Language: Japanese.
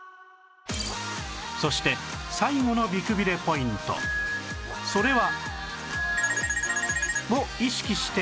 そして最後の美くびれポイントそれは